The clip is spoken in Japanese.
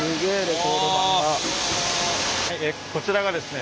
こちらがですね